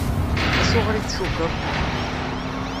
Acuɣer i tcukkeḍ?